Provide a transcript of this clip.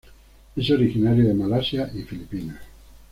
Es originario de Malasia y Filipinas.